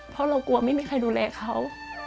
เพราะเรากลัวไม่มีใครดูแลเขา